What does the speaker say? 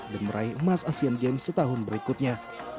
dan meraih emas asian games setahun berikutnya